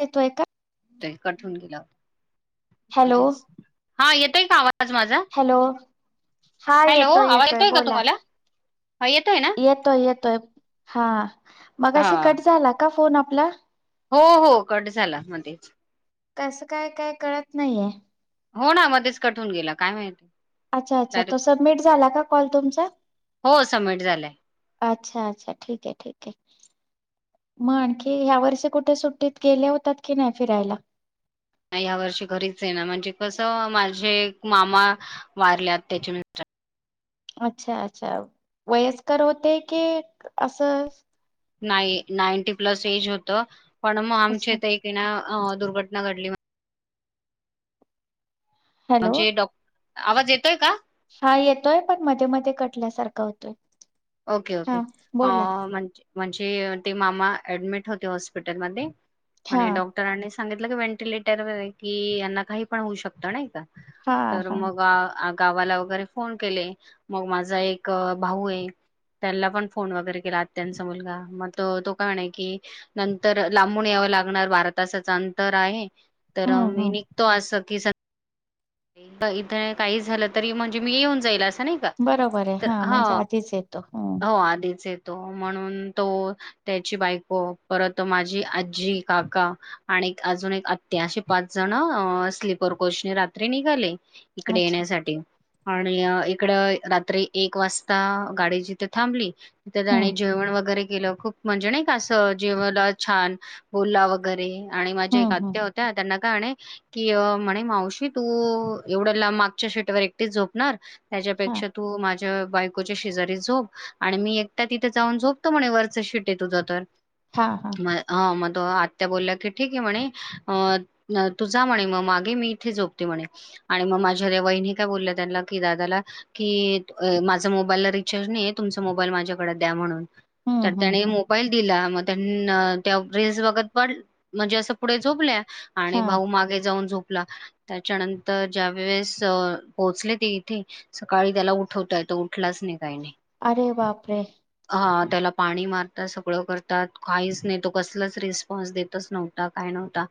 येतोय का? ते कठून गेला हो हॅलो मध्येच [unintelligible] हा येतय का आवाज? माझा हॅलो? हा, हॅलो येतोय, आवाज येतोय, का बोला. तुम्हाला हा येतोय ना येतोय, येतोय, हा मगाशी हा कट झाला का? फोन आपला? हो, हो, कट झाला मध्येच. कसं काय, काय कळत नाहीये. हो ना, मधेच कट होऊन गेला, काय माहित. अच्छा, अच्छा तो सबमिट झाला का कॉल तुमचा? हो सबमिट झालाय अच्छा, अच्छा, ठीक आहे, ठीक आहे, मग आणखी ह्या वर्षी कुठे सुट्टीत गेल्या होतात कि नाही फिरायला? नाही, ह्या वर्षी घरीच ये ना म्हणजे कसं माझे मामा वारल्यात त्याच्या अच्छा, अच्छा, वयस्कर होते, की असंच? नाही, नाईंटी प्लस एज होतं. पण, मग अच्छा आमचे ते एक ना अं दुर्घटना घडली. हॅलो म्हणजे डॉ. आवाज येतोय का? हा येतोय पण मध्ये-मध्ये कटल्यासारखा होतोय. ओके-ओके हा अ बोला म्हणजे म्हणजे ते मामा ऍडमिट होते हॉस्पिटलमध्ये हा आणि डॉक्टरांनी सांगितलं का व्हेंटिलेटर वर कि यांना काही पण होऊ शकतं नाही का? हा तर हा मग आ -आ गावाला वगैरे फोन केले मग माझा एक भाऊ हे त्यांला पण फोन वगैरे केला आत्यांचा मुलगा मग तो - तो काय म्हणे की नंतर लांबून यावं लागणार बारा तासाच अंतर आहे. तर हम्म मी हम्म निघतो अस की सं एकदा इथं काही झालं तरी म्हणजे मी येऊन जाईल असं नाही का बरोबरे तर हां म्हणजे हा आधीच येतो हं. तो म्हणून तो त्याची बायको परत माझी आजी काका आणिक अजून एक आत्या अशी पाच जण स्लीपर कोचने रात त्री निघाले. इकडे अच्छा येण्यासाठी आणि इकडं रात्री एक वाजता गाडी जिथं थांबली तर हम्म आणि जेवण वगैरे गेलं खूप म्हणजे नाही का असं? जेवला छान बोलला वगैरे आणि माझ्या एक हम्म हम्म आत्या होत्या त्यांना का म्हणे कि म्हणे मावशी तू एवढं ला मागच्या शीटवर एकटीच झोपणार हा त्याच्यापेक्षा तू माझ अं बायकोच्या शेजारी झोप आणि मी एकटा तिथे जाऊन झोपतो म्हणे वरचं शीट आहे तुझं तर. हा हा म हा म अं आत्या बोलल्या की ठीक आहे म्हणे अ -अं तु जा म्हणे मग मागे मी इथे झोप ते म्हणे आणि मग माझ्या त्या वहिनी काय बोलल्या त्यांना की दादाला कि अ माझं मोबाईलला रिचार्ज नाहीये तुमचा मोबाईल माझ्याकडे द्या म्हणून. हम्म तर हम्म त्याने हम्म मोबाईल दिला म त्यां अ त्या रेस बघत पड म्हणजे असं पुढे झोपल्या आणि हा भाऊ मागे जाऊन झोप पला त्याच्यानंतर ज्यावेेळेस पोहोचले ते इथे सकाळी त्याला उठवताय तो उठलाच नाही काही नाही. अरे बापरे. ह त्याला पाणी मारतात सगळं करतात काहीच नाही तो कसलाच रिस्पॉन्स देतच नव्हता काय नव्हता.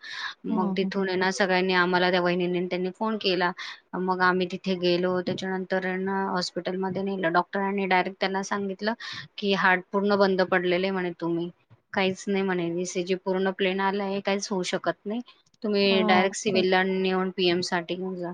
हम्म मग हम्म तिथून हेणा सगळ्यांनी आम्हाला त्या वहिनी त्यांनी फोन केला मग आम्ही तिथे गेलो त्याच्यानंतर हॉस्पिटल मध्ये नेल डॉक्टरांनी डायरेक्ट त्यांना सांगितलं की हार्ट पूर्ण बंद पडलेले आहे म्हणे तुम्ही काहीच नाही म्हणे ज पूर्ण प्लेन आला हे काहीच होऊ शकत नाही. तुम्ही डारेक्ट सि बापरे नेऊन पीएम साठी घेऊन जा.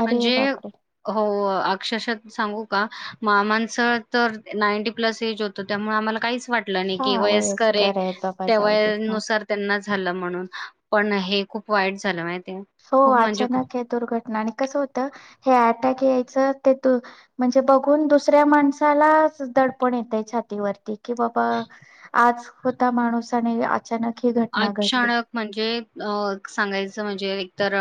अरे म्हणजे बापरे हो. अक्षरशः सांगू का मामांचं तर नाईंटी प्लस एज होतं त्यामुळे आम्हाला काहीच वाट वाटल हा नाही वयस्कर आहे. आहेत बाबा त्या जाऊ दे हा वयानुसार त्यांना झालं म्हणून पण हे खूप वाईट झालं माहिती हाय. हो अचानक हे दुर्घटना आणि कसं होतं हे अटॅक म्हणजे बघून दुसऱ्या माणसाला दडपण येत छातीवरती कि बाबा आज होता माणूस आणि अचानक ही घटना घडली अचानक म्हणजे अ सांगायचं म्हणजे तर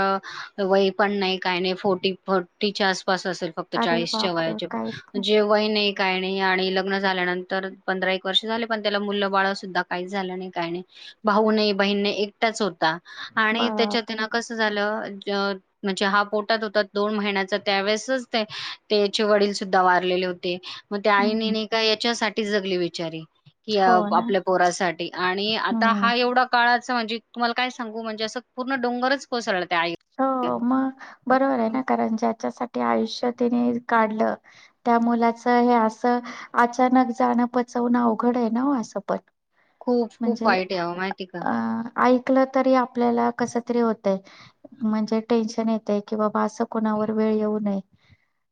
वय पण नाही काही नाही फोर्टी फोर्टीच्या आस पास असेल फक्त अरे चाळीसच्या बापरे काहीच वयाच्या नाही जे वय नाही - - काही नाही आणि लग्न झाल्यानंतर पंधरा एक वर्ष झाले पण त्याला मुल बाळ सुद्धा काहीच झालं नाही काही नाही. भाऊ नाही. बहीण नाही. एकटाच होता. आणि त्याच्यातहैना बापरे कसं झालं अ म्हणजे हा पोटात होता दोन महिन्याचा त्यावेेळेसच ते त्याचे वडील सुद्धा वारलेले होते. मग त्या हम्म आईणी नाही का याच्यासाठी एकटी जगली बिचारी. कि हो ना आपल्या पोरासाठी आणि - - हम्म तेवढा काळां म्हणजे तुम्हाला काय सांगू म्हणजे असं पूर्ण डोंगरच कोसळला. त्या आई हो मग बरोबर आहे ना कारण ज्याच्यासाठी आयुष्य तिने काढलं त्या मुलाच हे असं अचानक जाणं पचवणं अवघड आहे ना असं पण. खूप खूप म्हणजे वाईट आहे आहो माहितीय का? अ ऐकलं तरी आपल्याला कस तरी होतय. म्हणजे टेन्शन येतय कि बाबा असं कोणावर वेळ येऊ नये.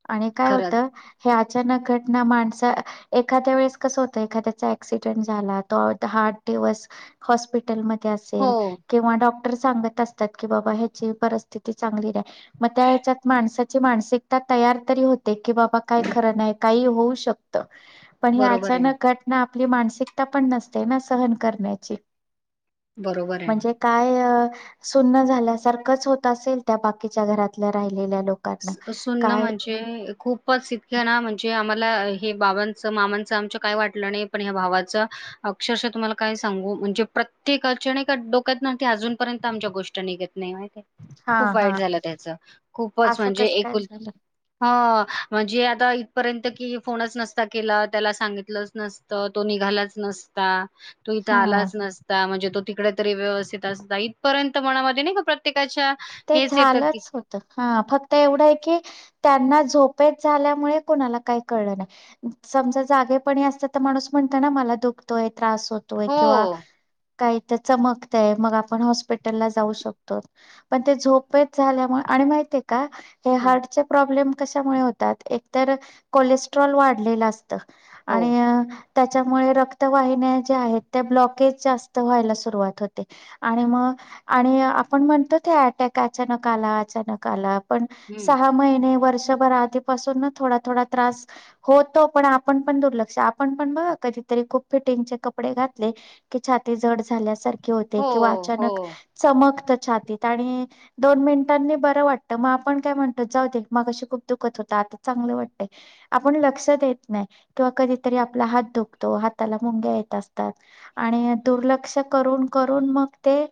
आणि काय होत खरंच हे अचानक घटना माणसा एखाद्या वेळेस कस होतं एखाद्याचा ऍक्सिडेंट झाला तो आठ दिवस हॉस्पिटलमध्ये हो असेल किंवा डॉ - - क्टर सांगत असतात की बाबा हे परिस्थिती चांगली रा म त्याहेच्यात माणस मानिकता तयार तरी होते की बाबा काय खरं नाही काही होऊ शकत पण हे बरोबर आहे अचानक घटना आपली मानसिकता पण नसते ना सहन करण्याची. बरोबर आहे ना म्हणजे काय? सुन्न झाल्यासारखं खचं होत असेल त्या बाकीच्या घरातल्या राहि सुन्न म्हणजे खूपच इतक्या ना म्हणजे आम्हा हे बाबांच मामांचं आमच्या काय वाटलं नाही. पण या भावाच अक्षरश तुम्हाला काय सांगू म्हणजे प्रत्येक अडचणी का डोक्यात ना ते अजूनपर्यंत आमच्या गोष्ट निघेत नाही माहितीय. हा खूप हा वाईट झालं त्याच खूप खूपच असं म्हणजे कसं काय एकुल झालं? [unintelligible] म्हणजे आता पर्यंत कि फोनच नसता, केला त्याला सांगितलंच नसतं, तो निघालाच नसता तो इथं हा. आलाच नसता म्हणजे तो तिकडे तरी व्यवस्थित असता इथपर्यंत मनामध्ये नाही का प्रत्येकाच्या ते हेच येतं की झालंच होत हं फक्त एवढं आहे की त्यांना झोपेत झाल्यामुळे कोणाला काही कळलं नाह समजा जागेपणी असत तर माणूस म्हणत ना मला दुखतोय त्रास होतोय हो. किंवा काही? त्या चमकतय, मग आपण हॉस्पिटलला जाऊ शकतो. पण ते झोपेत झाल्यामुळे आणि माहितय का हे हां, हार्टचे प्रॉब्लेम कशामुळे होतात एक तर कोलेस्ट्रॉल वाढलेलं असतं. हो. आणि त्याच्यामुळे रक्तवाहिन्या ज्या आहेत त्या ब्लॉकेज जास्त व्हायला सुरुवात होते आणि मग आणि आपण म्हणतो अटॅक अचानक आला अचानक आला पण हं. सहा महिने वर्ष वर्षभर आधीपासूनच थोडा थोडा त्रास होतो, पण आपण पण दुर्लक्ष, आपण पण बघा कधीतरी खूप फिटिंग चे कपडे घातले की छाती जड झाल्यासारखी हो, किंवा हो. अचानक चमकतय छातीत आणि दोन मिनिटांनी बरं वाटत. मग आपण काय म्हणतो जाऊ दे मगशी खूप दुखत होत आता चांगलं वाटत, आपण लक्ष देत नाही किंवा कधीतरी आपला हात दुखतो हाताला मुंग्या येत असतात आणि दुर्लक्ष करून करून मग ते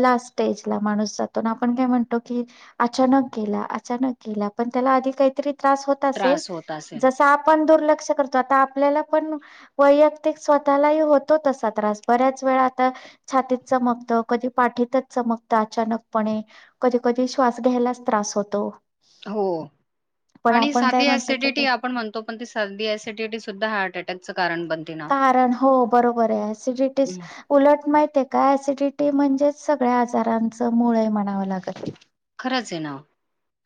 लास्ट स्टेज माणूस जातो, ना आपण काय म्हणतो की अचान गेला अचान गेला पण त्याला आधी काहीतरी त्रास होत असेल त्रास होत असेल. जसं आपण दुर्लक्ष लक्ष करतो, आता आपल्याला पण वैयक्तिक स्वतालाही होतो तसा त्रास बऱ्याच वेळा आता छातीत चमकत कधी पाठीतच चमकतं अचानकपणे कधी कधी श्वास घ्यायलाच त्रास होतो. हो, पण आणि आपण काय साधी म्हणतो तर ते ॲसिडिटी आपण म्हणतो, पण ती साधी ॲसिडिटी सुद्धा हार्ट ॲटॅक त्यांच कारण हो बरोबर आहे, ॲसिडिटीच हं, उलट मा [unintelligible] ते काय ॲसिडिटी म्हणजेच सगळ्या आजारांचं मूळ आहे म्हणावं लागत. [unintelligible] चे ना.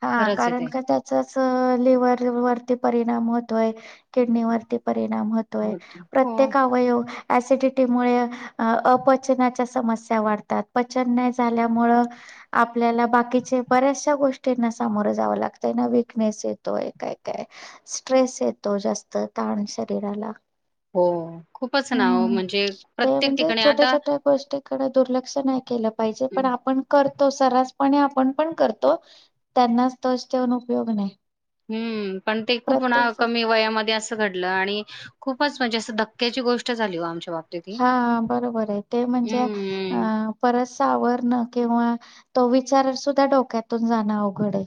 हां खरंच आहे कारण ते. का त्याच तर लिव्हर वरती परिणाम होतोय, किडनीवरती पण परिणाम होतोय, होतं. हो. प्रत्येक अवयव ॲसिडिटी त्यामुळे अपचनाच्या समस्या वाढतात, पचन नाही झाल्यामुळे आपल्याला बाकीचे बऱ्याचशा गोष् त्यांना सामोरे जावं लागतय ना, विकनेस येतोय, काय काय स्ट्रेस येतो जास्त ताण शरीराला हो खूपच ना ओ, हम्म, म्हणजे ते प्रत्येक म्हणजे ठिकाणी छोट्या आता छोट्या गोष्टीकडे दुर्लक्ष नाही केलं पाहिजे, पण आपण करतो सरास आणि आपण पण करतो, त्यांनाच दोष देउन उपयोग नाही. हम्म पण ते खूप ना प्रत्येक स- कमी वयामध्ये असं घडलं आणि खूपच म्हणजे अस धक्क्याची गोष्ट झाली हो आमची हां बरोबर आहे, ते म्हणजे हम्म. अं परत सावरण किंवा तो विचार सुद्धा डोक्यातून जाणं अवघड आहे.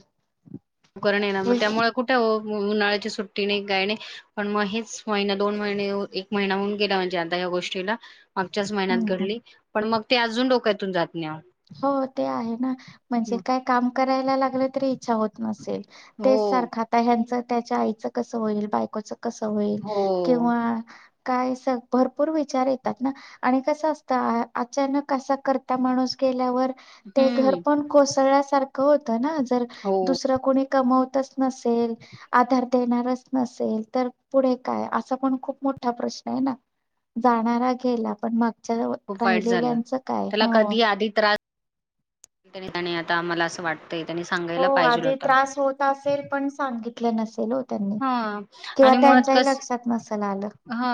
करण ये ना मग हम्म त्यामुळे कुठे हो उन्हाळ्याच्या सुट्टीने काय नाही, पण मग हेच महिना दोन महिने एक महिना होऊन गेला, म्हणजे आता या गोष्टीला. मागच्याच महिन्यात हम्म. घडली, पण मग ते अजून डोक्यातून जात नाही अहो. हो, ते आहे ना, म्हणजे हम्म. काय काम करायला लागलं तरी इच्छा होत नसेल हो, तेच सारखं आता ह्यांचच त्याच्या आईच कस होईल बाय [unintelligible] असं कसं होईल हो. किंवा काय सर भरपूर विचार येतात ना आणि कसं असतं अचानक असा करता माणूस केल्यावर ते घर हम्म. पण कोसळल्यासारखे क होतता ना आज, हो, दुसरा कोणी कमवतच नसेल, आधार देणारच नसेल, तर पुढे काय? असा पण खूप मोठा प्रश्न आहे ना, जाणारा गेला, पण मग खूप [unintelligible] वाईट राहिलेल्यांचं काय [unintelligible] [unintelligible] तरी आणि आता आम्हाला अस वाटत हो, आधी त्रास होत असेल पण सांगित नसेल हो त्यांनी ह किंवा आणि मुळात त्यांच्याही कस लक्षात नसेल आलं ह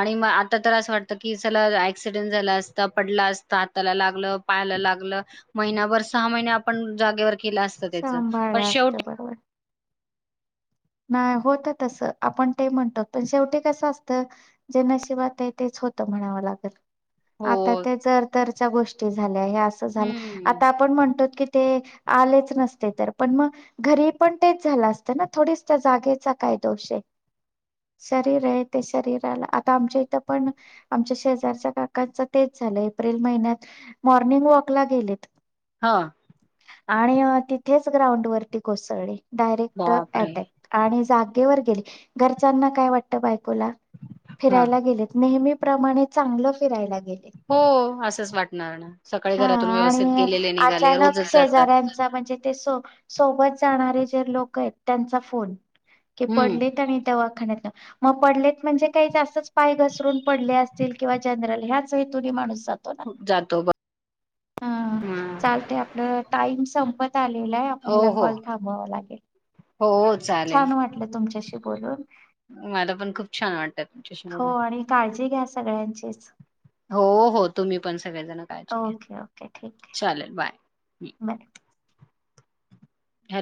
आणि म आता तर असं वाटत की समजा एखादा ॲक्सिडेंट झाला असता पडला असता हाताला लागलं पायाला लागलं महिनाभर सहा महिने आपण जागेवर असत त्याच पण सांभाळलं असत शेवटी बरोबर नाही होत तसं आपण ते म्हणतो पण शेवटी कसं असतं जे नशिबात आहे तेच होत म्हणावं लागेल हो. आता त्या जर तरच्या गोष्टी झाल्या हे असं झालं हं. आता आपण म्हणतो की ते आलेच नसते तर पण मग घरी पण तेच झालं असत ना थोडी त्या जागेचा काय दोष आहे शरीर आहे ते शरीराला आता आमच्या इथं पण आमच्या शेजारच्या काकाच तेच झालं एप्रिल महिन्यात मॉर्निंग वॉकला गेलेत हां. आणि तिथेच ग्राउंड वरती कोसळली डयरेक्ट बापरे! ॲटॅक आणि जागेवर गेले घरच्यांना काय वाटत हां. फिरायला गेले नेहमी प्रमाणे चांगलं फिरायला लाग हो, असंच वाटणार ना. सकाळी हा घरातून व्यवस्थित आणि गेलेले निघाले, अचानक रोजच जातात. शेजाऱ्यांचा म्हणजे ते स सोबत जाणारे जे लोक आहेत त्यांचा फोन की हं. पडलीत आणि तेव्हा मग पडले म्हणजे काहीच पाय घसरून पडले असतील किंवा जनरल ह्याच हेतूनी माणूस जातो ब हां. चालते आपलं टाईम संपत झालेला आहे ओ आपल्याला हो. कॉल थांबवावा लागेल हो, हो. चालेल. छान वाटलं तुमच्याशी बोलून मला पण खूप छान वाटलं तुमच्याशी हो बोलून. आणि काळजी घ्या सगळ्यांचेच हो हो तुम्ही पण सगळेजण काळजी घ्या चालेल बाय हं. बर हॅलो